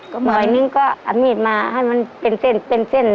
ก็ปล่อยนึงก็เอามีดมาให้มันเป็นเส้นเป็นเส้น